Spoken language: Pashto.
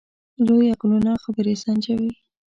لوی عقلونه خبرې سنجوي.